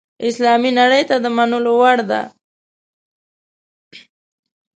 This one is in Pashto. اسلامي نړۍ ته د منلو وړ ده.